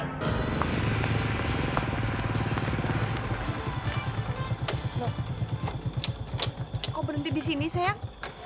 lo kok berhenti di sini sayang